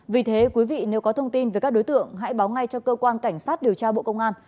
vì thế quý vị nếu có thông tin về các đối tượng hãy báo ngay cho cơ quan cảnh sát điều tra bộ công an